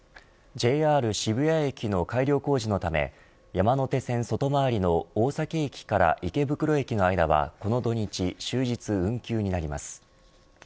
ＪＲ渋谷駅の改良工事のため山手線外回りの大崎駅から池袋駅の間はこの土日、終日運休になります。